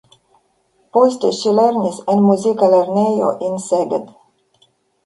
Poste ŝi lernis en muzika lernejo en Szeged.